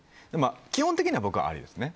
基本的には僕はありですね。